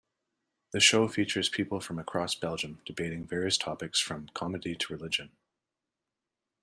The show features people from across Belgium debating various topics from comedy to religion.